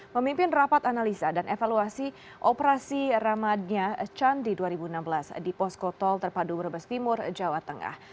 memimpin rapat analisa dan evaluasi operasi ramadnya can di dua ribu enam belas di pos kotol terpadu brebes vimur jawa tengah